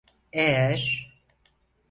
Eğer...